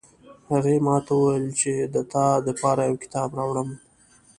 هغې ماته وویل چې د تا د پاره یو کتاب راوړم